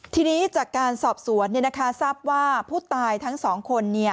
ทีนี้จากการสอบสวนทราบว่าผู้ตายทั้งสองคน